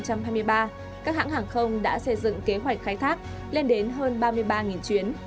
các hãng hàng không đã xây dựng kế hoạch khai thác lên đến hơn ba mươi ba chuyến